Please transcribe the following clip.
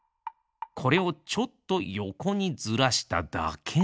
これをちょっとよこにずらしただけなのです。